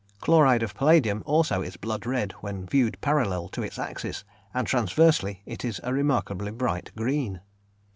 Chloride of palladium also is blood red when viewed parallel to its axis, and transversely, it is a remarkably bright green.